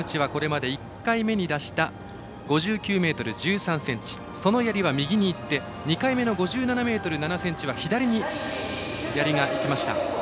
北口はこれまで１回目に出した５９ｍ１３ｃｍそのやりは、右にいってその次の５７ｍ７０ｃｍは左に、やりがいきました。